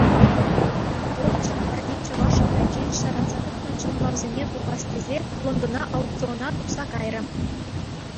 Вӑл Чӗмпӗрти чӑваш шкулӗнчен ҫаратса тухнӑ чӑнлавсене тупас тесе, Лондона аукциона тухса кайрӗ.